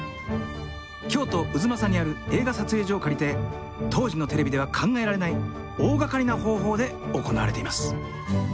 京都・太秦にある映画撮影所を借りて当時のテレビでは考えられない大がかりな方法で行われています。